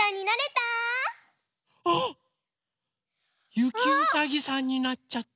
ゆきうさぎさんになっちゃった。